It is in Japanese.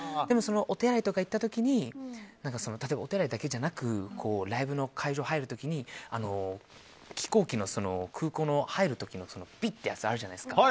お手洗いとかに行った時に例えば、お手洗いだけじゃなくライブの会場に入る時に飛行機の空港の入る時のビッてやつあるじゃないですか。